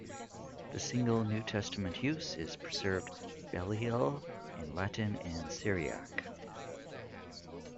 The single New Testament use is preserved "Belial" in Latin and Syriac.